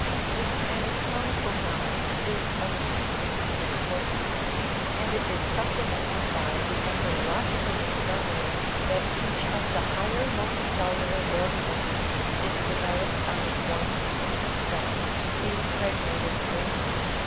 This anatomical knowledge is of extreme importance; and it is supplemented by the embryo logical discovery that each of the higher multicellular organisms is developed out of one simple cell, the im pregnated ovum.